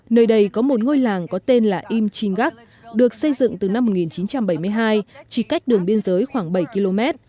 nơi đây có một ngôi làng có tên là im chinggak được xây dựng từ năm một nghìn chín trăm bảy mươi hai chỉ cách đường biên giới khoảng bảy km